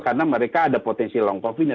karena mereka ada potensi long cov nya